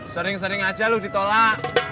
sering sering aja loh ditolak